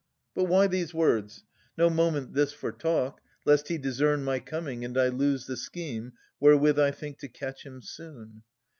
But why these words? No moment this for talk. Lest he discern my coming, and I lose The scheme, wherewith I think to catch him soon.